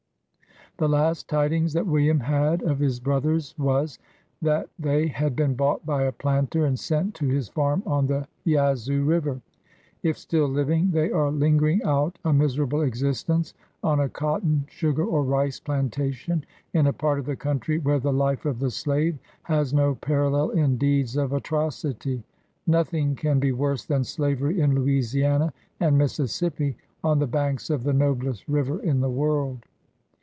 The last tidings that William had of his brothers was, that they had been bought by a planter, and sent to his farm on the Yazoo River. If still living, they are lingering out a miserable existence on a cotton, sugar, or rice planta tion, in a part of the country where the life of the slave has no parallel in deeds of atrocity. Nothing can be worse than slavery in Louisiana and Mississippi, on the banks of the noblest river in the world.